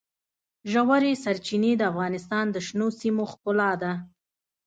ژورې سرچینې د افغانستان د شنو سیمو ښکلا ده.